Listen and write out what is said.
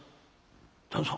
「旦さん